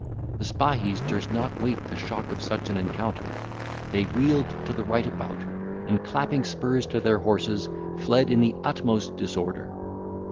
The spahis durst not wait the shock of such an encounter; they wheeled to the right about, and clapping spurs to their horses, fled in the utmost disorder.